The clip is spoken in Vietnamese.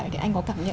thì anh có cảm nhận